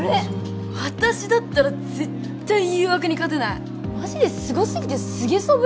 私だったら絶対誘惑に勝てないマジですごすぎてスゲソブ！